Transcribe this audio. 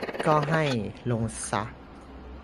ก็ให้ลงซะ